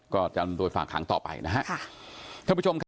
ก็จำโดยฝั่งค้างต่อไปนะฮะค่ะคุณผู้ชม